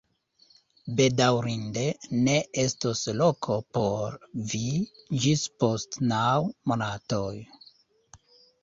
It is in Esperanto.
Bedaŭrinde ne estos loko por vi ĝis post naŭ monatoj.